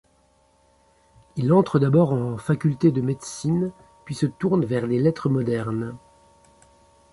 Il entre d'abord en Faculté de Médecine, puis se tourne vers les lettres modernes.